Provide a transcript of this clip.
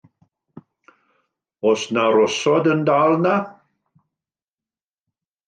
Oes yna rosod yn dal yno?